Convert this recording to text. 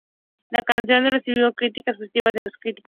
La canción recibió críticas positivas de los críticos.